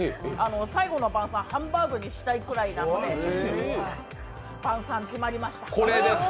最後の晩さん、ハンバーグにしたいくらいなので、晩さん決まりました。